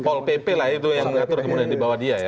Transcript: pol pp lah itu yang ngatur kemudian dibawah dia ya